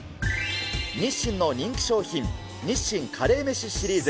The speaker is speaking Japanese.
日清の人気商品、日清カレーメシシリーズ。